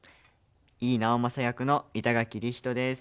井伊直政役の板垣李光人です。